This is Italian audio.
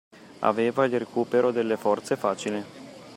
Aveva il ricupero delle forze facile!